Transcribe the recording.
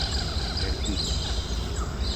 Tartini.